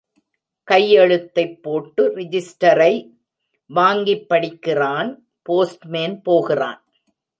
கையெழுத்தைப் போட்டு ரிஜிஸ்ட்டரை வாங்கிப் படிக்கிறான், போஸ்ட்மேன் போகிறான்.